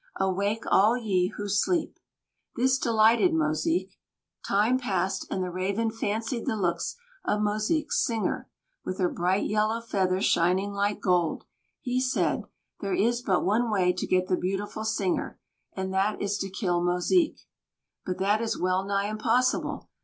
Awake, all ye who sleep!) This delighted Mosique. Time passed, and the Raven fancied the looks of Mosique's Singer, with her bright yellow feathers shining like gold. He said: "There is but one way to get the beautiful Singer, and that is to kill Mosique. "But that is well nigh impossible.